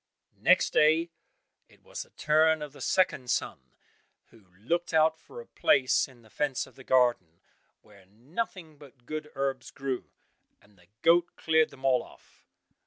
Next day it was the turn of the second son, who looked out for a place in the fence of the garden, where nothing but good herbs grew, and the goat cleared them all off.